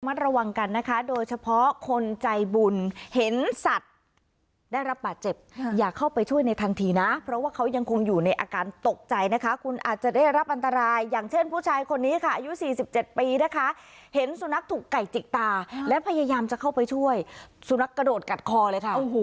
ระวังกันนะคะโดยเฉพาะคนใจบุญเห็นสัตว์ได้รับบาดเจ็บอย่าเข้าไปช่วยในทันทีนะเพราะว่าเขายังคงอยู่ในอาการตกใจนะคะคุณอาจจะได้รับอันตรายอย่างเช่นผู้ชายคนนี้ค่ะอายุ๔๗ปีนะคะเห็นสุนัขถูกไก่จิกตาและพยายามจะเข้าไปช่วยสุนัขกระโดดกัดคอเลยค่ะ